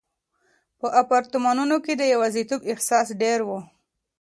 په اپارتمانونو کې د یوازیتوب احساس ډېر و.